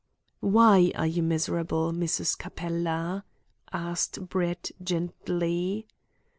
"Why are you miserable, Mrs. Capella?" asked Brett gently.